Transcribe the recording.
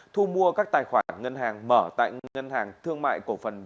thu mua các tài khoản ngân hàng mở tại ngân hàng thương mại cổ phần việt nam